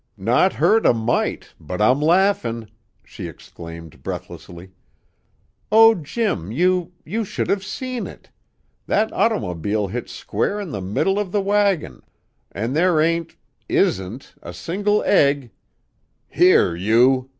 "Not hurt a mite, but I'm laughin'!" she exclaimed breathlessly. "Oh, Jim, you you should have seen it. That ottermobile hit square in the middle of the wagon, and there ain't isn't a single egg " "Here, you!"